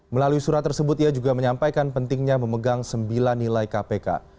melalui surat tersebut ia juga menyampaikan pentingnya memegang sembilan nilai kpk